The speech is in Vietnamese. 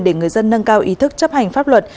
để người dân nâng cao ý thức chấp hành pháp luật